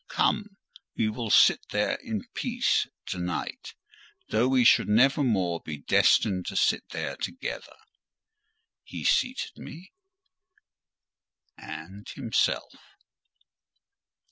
Come, we will sit there in peace to night, though we should never more be destined to sit there together." He seated me and himself.